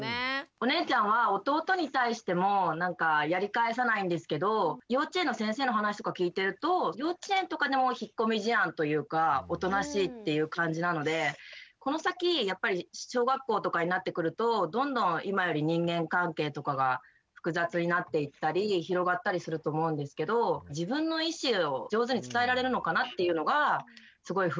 お姉ちゃんは弟に対してもなんかやり返さないんですけど幼稚園の先生の話とか聞いてると幼稚園とかでも引っ込み思案というかおとなしいっていう感じなのでこの先やっぱり小学校とかになってくるとどんどん今より人間関係とかが複雑になっていったり広がったりすると思うんですけど自分の意思を上手に伝えられるのかなっていうのがすごい不安なので。